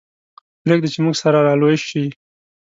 پرېږده چې موږ سره را لوی شي.